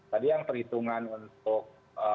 tadi yang perhitungan untuk